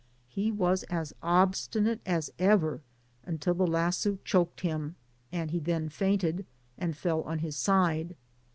He was as obstinate as ever until the lasso choked him, and he then fainted, and fell on his side.